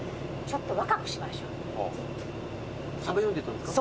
サバ読んでたんですか？